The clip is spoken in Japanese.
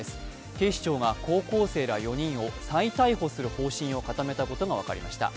警視庁が高校生ら４人を再逮捕する方針を固めたことが分かりました。